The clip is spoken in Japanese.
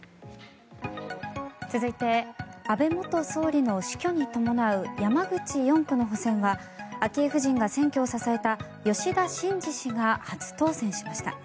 続いて安倍元総理の死去に伴う山口４区の補選は昭恵夫人が選挙を支えた吉田真次氏が初当選しました。